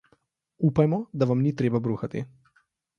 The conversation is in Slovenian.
Upajmo, da vam ni treba bruhati.